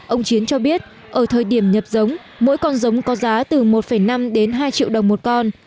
ông chiến cho biết ở thời điểm nhập giống mỗi con giống có giá từ một năm đến hai triệu đồng một con